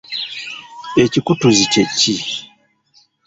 Ekikutuzi kye ki?